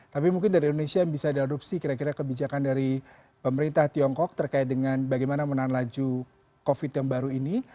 tapi mungkin dari indonesia yang bisa diadopsi kira kira kebijakan dari pemerintah tiongkok terkait dengan bagaimana menahan laju covid yang baru ini